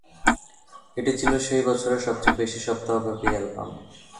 এটি ছিল সেই বছরের সবচেয়ে বেশি সপ্তাহব্যাপী অ্যালবাম।